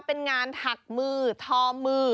เป็นงานถักมือทอมือ